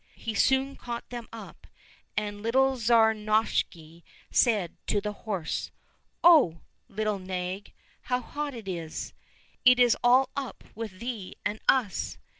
He soon caught them up ; and little Tsar Novishny said to the horse, " Oh ! little nag, how hot it is. It is all up with thee and us